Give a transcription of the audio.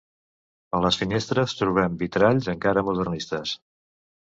A les finestres trobem vitralls encara modernistes.